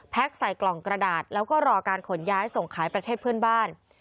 ใส่กล่องกระดาษแล้วก็รอการขนย้ายส่งขายประเทศเพื่อนบ้าน